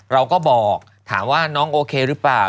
เราก็บอกถามว่าน้องโอเคหรือเปล่า